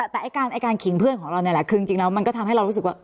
แต่การขิงเพื่อนของเรานี่แหละคือจริงแล้วมันก็ทำให้เรารู้สึกว่า